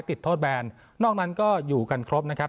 ติดโทษแบนนอกนั้นก็อยู่กันครบนะครับ